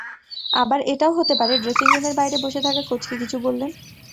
আবার এটাও হতে পারে, ড্রেসিংরুমের বাইরে বসে থাকা কোচকে কিছু বললেন।